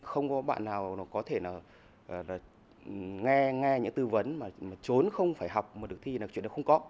không có bạn nào có thể nghe những tư vấn mà trốn không phải học mà được thi là chuyện đó không có